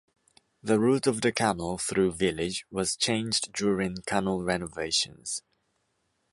The route of the canal through village was changed during canal renovations.